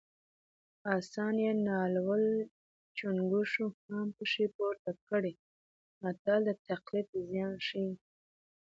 اسان یې نالول چونګښو هم پښې پورته کړې متل د تقلید زیان ښيي